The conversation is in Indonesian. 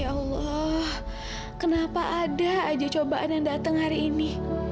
ya allah kenapa ada aja cobaan yang datang hari ini